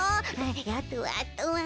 あとはあとは。